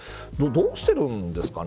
どうしてるんですかね。